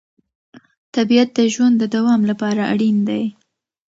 طبیعت د ژوند د دوام لپاره اړین دی